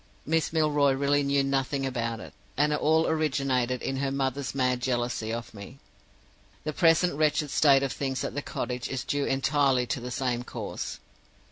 Miss Milroy really knew nothing about it, and it all originated in her mother's mad jealousy of me. The present wretched state of things at the cottage is due entirely to the same cause.